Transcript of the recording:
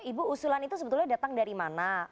ibu usulan itu sebetulnya datang dari mana